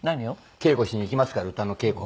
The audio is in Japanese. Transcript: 稽古しに行きますから歌の稽古。